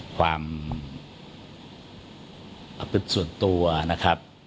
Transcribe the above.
ความเป็นส่วนตัวนะครับ